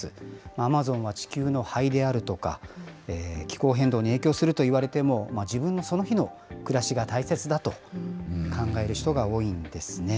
アマゾンは地球の肺であるとか、気候変動に影響すると言われても、自分のその日の暮らしが大切だと考える人が多いんですね。